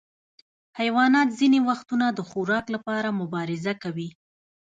حیوانات ځینې وختونه د خوراک لپاره مبارزه کوي.